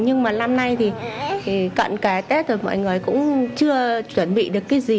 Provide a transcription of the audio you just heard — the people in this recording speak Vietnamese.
nhưng mà năm nay thì cận cả tết rồi mọi người cũng chưa chuẩn bị được cái gì